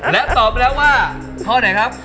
และตอบไปแล้วว่าข้อไหนครับ